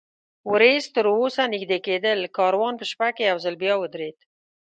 ورېځ تراوسه نږدې کېدل، کاروان په شپه کې یو ځل بیا ودرېد.